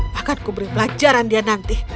bahkan kuberi pelajaran dia nanti